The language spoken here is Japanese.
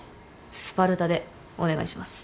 スパルタでお願いします。